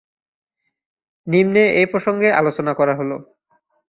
নিম্নে এই প্রসঙ্গে আলোচনা করা হলো।